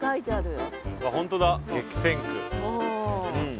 本当だ激戦区。